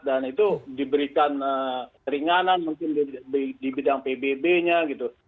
dan itu diberikan ringanan mungkin di bidang pbb nya gitu